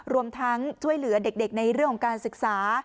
รวมทั้งช่วยเหลือเด็กในเรื่องของการศึกษา